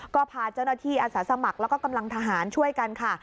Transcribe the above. ก็พาเจ้าหน้าที่อาสาสมัครแล้วก็กำลังทหารช่วยกันค่ะ